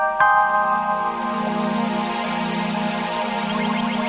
sayangnya kamu terminalnya mica dwai